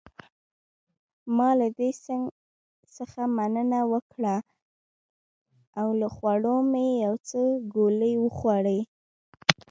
ما له دې څخه مننه وکړ او له خوړو مې یو څو ګولې وخوړې.